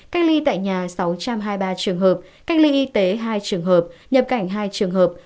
cách ly tại nhà sáu trăm hai mươi ba trường hợp cách ly y tế hai trường hợp nhập cảnh hai trường hợp